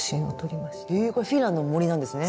へえこれフィンランドの森なんですね。